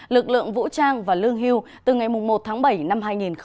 lực lượng vũ trang và lương hưu từ ngày một tháng bảy năm hai nghìn hai mươi